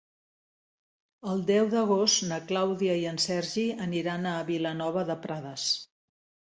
El deu d'agost na Clàudia i en Sergi aniran a Vilanova de Prades.